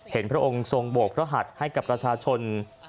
พระองค์ทรงโบกพระหัสให้กับประชาชน